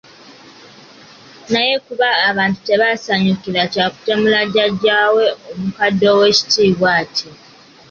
Naye kuba abantu tebaasanyukira kya kutemula jjajjaawe omukadde ow'ekitiibwa atyo.